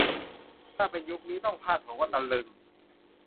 ถ้าเป็นยุคนี้ต้องพาดหัวว่า ตะลึง !